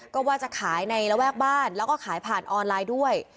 ก็ว่าจะขายในระแวกบ้านแล้วก็ขายผ่านออนไลน์ด้วย